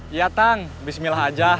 iya tang bismillah aja